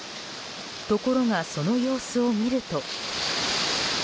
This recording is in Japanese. ところが、その様子を見ると。